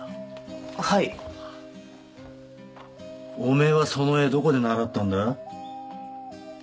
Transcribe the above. はいおめぇはその絵どこで習ったんだ？